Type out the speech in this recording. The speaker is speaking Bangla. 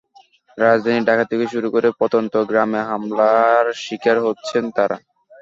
রাজধানী ঢাকা থেকে শুরু করে প্রত্যন্ত গ্রামে হামলার শিকার হচ্ছেন তাঁরা।